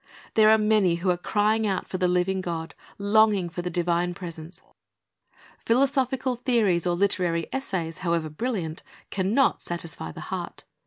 "' There are many who are crying out for the living God, longing for the divine presence. Philosophical theories or literary essays, however brilliant, can not satisfy the heart.